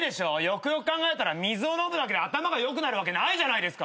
よくよく考えたら水を飲むだけで頭が良くなるわけないじゃないですか。